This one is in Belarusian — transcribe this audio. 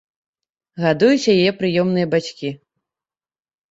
Гадуюць яе прыёмныя бацькі.